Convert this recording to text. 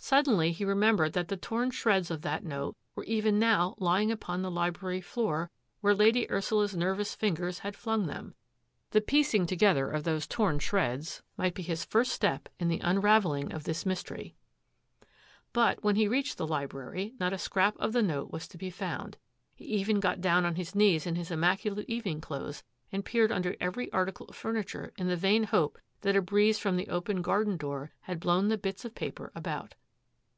Suddenly he remembered that the torn si of that note were even now lying upon the lil floor where Lady Ursula's nervous fingers flung them. The piecing together of those shreds should be his first step in the unravelli this mystery. Btit when he reached the library not a scr the note was to be found. He even got doi? his knees in his immaculate evening clothes peered under every article of furniture in the hope that a breeze from the open garden doo blown the bits of paper about.